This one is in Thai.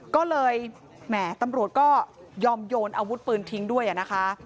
ก็เลยแหมตำรวจก็ยอมโยนอาวุธปืนทิ้งด้วยนะคะ